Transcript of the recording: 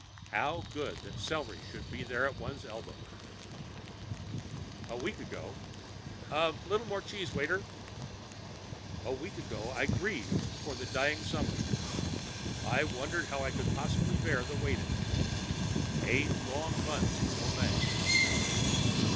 How good that celery should be there at one's elbow. A week ago ("A little more cheese, waiter") a week ago I grieved for the dying summer. I wondered how I could possibly bear the waiting the eight long months till May.